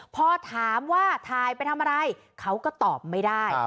พอถามว่าถ่ายไปทำอะไรเขาก็ตอบไม่ได้